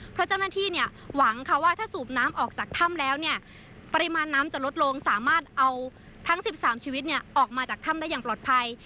เพราะเจ้าหน้าที่เนี่ยหวังค่ะว่าถ้าสูบน้ำออกจากถ้ำแล้วเนี่ยปริมาณน้ำจะลดลงสามารถเอาทั้ง๑๓ชีวิตออกมาจากถ้ำได้อย่างปลอดภัย